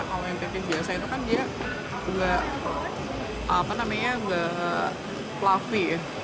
kalau yang pancake biasa itu kan dia nggak fluffy